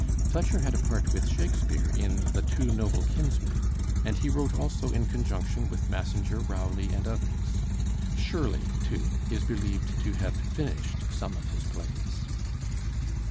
Fletcher had a part with Shakespeare in the 'Two Noble Kinsmen,' and he wrote also in conjunction with Massinger, Rowley, and others; Shirley, too, is believed to have finished some of his plays.